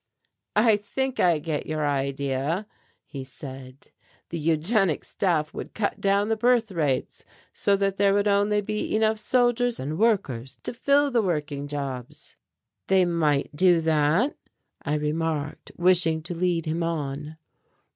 "I think I get your idea," he said. "The Eugenic Staff would cut down the birth rates so that there would only be enough soldiers and workers to fill the working jobs." "They might do that," I remarked, wishing to lead him on.